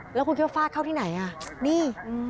แล้วคุณคิดว่าฟาดเข้าที่ไหนอ่ะนี่